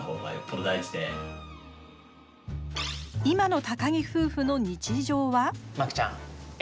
今の高木夫婦の日常は。